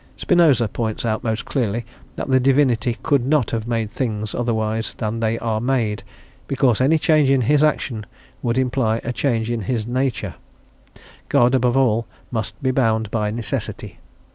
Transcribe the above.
Spinoza points out most clearly that the Divinity could not have made things otherwise than they are made, because any change in his action would imply a change in his nature; God, above all, must be bound by necessity.